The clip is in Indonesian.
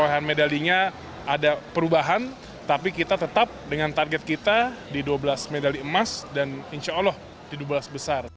kekukuhan tim indonesia yang digelar di asean games dua ribu dua puluh tiga akan digelar di sekitar tiga ratus tiga puluh sembilan atlet dan juga ofisial dari dua puluh enam cabang olahraga yang akan berakhir delapan oktober dua ribu dua puluh tiga